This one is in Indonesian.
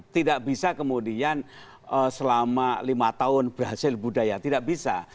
tidak bisa kemudian selama lima tahun berhasil budaya tidak bisa